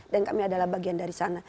dan kami adalah bagian dari sana